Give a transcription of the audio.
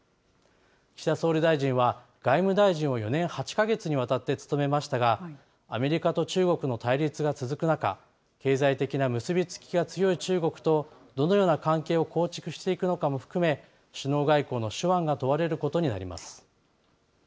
岸田総理大臣は、外務大臣を４年８か月にわたって務めましたが、アメリカと中国の対立が続く中、経済的な結び付きが強い中国とどのような関係を構築していくのかも含め、首脳外交の手腕が問われることになります。